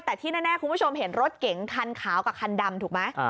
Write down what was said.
แต่ที่แน่คุณผู้ชมเห็นรถเก๋งคันขาวกับคันดำถูกไหม